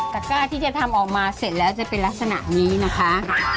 กล้าที่จะทำออกมาเสร็จแล้วจะเป็นลักษณะนี้นะคะ